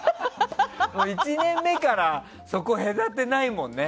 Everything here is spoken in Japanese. １年目から隔てないもんね。